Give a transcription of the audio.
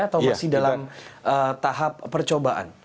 atau masih dalam tahap percobaan